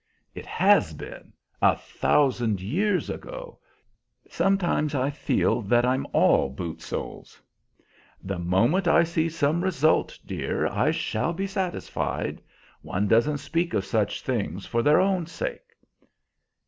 "It has been a thousand years ago. Sometimes I feel that I'm all boot soles." "The moment I see some result, dear, I shall be satisfied. One doesn't speak of such things for their own sake."